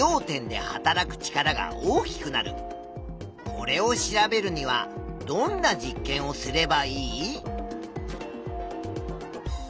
これを調べるにはどんな実験をすればいい？